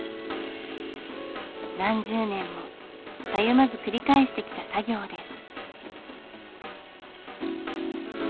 何十年もたゆまず繰り返してきた作業です。